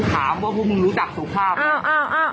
ถามว่าพวกมึงรู้จักสุภาพไหม